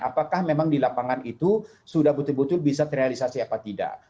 apakah memang di lapangan itu sudah betul betul bisa terrealisasi apa tidak